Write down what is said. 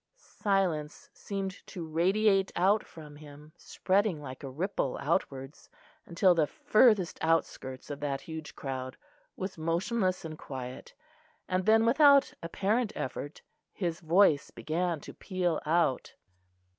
Silence seemed to radiate out from him, spreading like a ripple, outwards, until the furthest outskirts of that huge crowd was motionless and quiet; and then without apparent effort, his voice began to peal out.